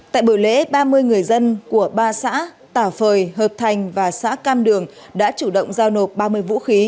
tại buổi lễ ba mươi người dân của ba xã tà phời hợp thành và xã cam đường đã chủ động giao nộp ba mươi vũ khí